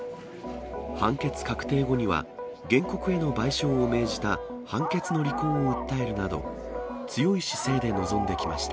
判決確定後には、原告への賠償を命じた判決の履行を訴えるなど、強い姿勢で臨んできました。